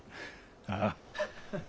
ああ。